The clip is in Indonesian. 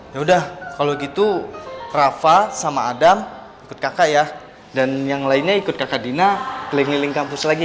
ya udah kalau gitu rafa sama adam ikut kakak ya dan yang lainnya ikut kakak dina keliling keliling kampus lagi